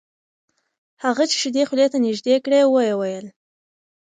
هغه چې شیدې خولې ته نږدې کړې ویې ویل: